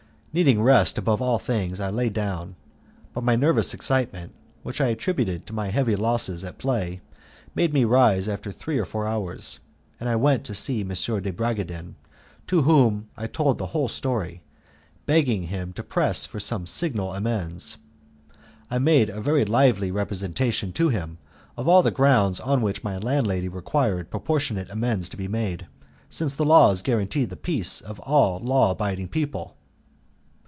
Needing rest above all things, I lay down, but my nervous excitement, which I attributed to my heavy losses at play, made me rise after three or four hours, and I went to see M. de Bragadin, to whom I told the whole story begging him to press for some signal amends. I made a lively representation to him of all the grounds on which my landlady required proportionate amends to be made, since the laws guaranteed the peace of all law abiding people.